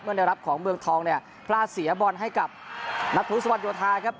ได้รับของเมืองทองเนี่ยพลาดเสียบอลให้กับนัทธุสวรรโยธาครับ